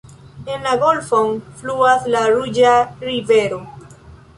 En la golfon fluas la ruĝa rivero.